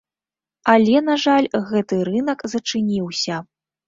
Але, на жаль, гэты рынак зачыніўся.